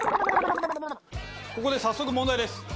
ここで早速問題です。